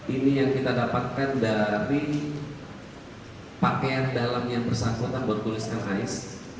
ini yang kita dapatkan dari pakaian dalam yang bersangkutan bertuliskan as